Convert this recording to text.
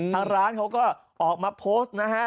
ทางร้านเขาก็ออกมาโพสต์นะฮะ